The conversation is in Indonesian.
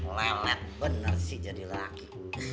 lelet bener sih jadi laki